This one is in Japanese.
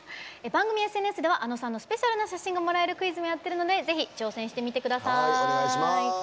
番組ＳＮＳではａｎｏさんのスペシャルな写真がもらえるクイズもやってますのでぜひ挑戦してみてください。